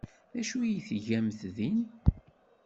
D acu ay tgamt din?